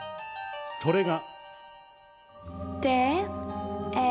それが。